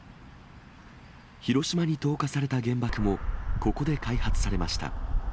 広島に投下された原爆も、ここで開発されました。